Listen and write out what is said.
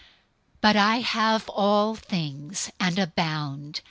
004:018 But I have all things, and abound.